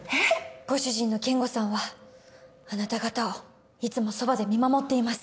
ご主人の健吾さんはあなた方をいつもそばで見守っています。